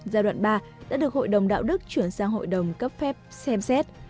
giai đoạn ba đã được hội đồng đạo đức chuyển sang hội đồng cấp phép xem xét